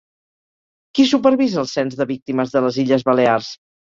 Qui supervisa el Cens de Víctimes de les Illes Balears?